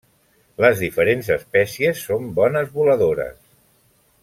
Les diferents espècies són bones voladores.